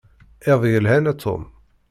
Iḍ yelhan a Tom.